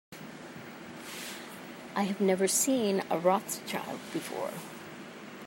I have never seen a Rothschild before.